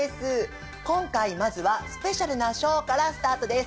今回まずはスペシャルなショーからスタートです。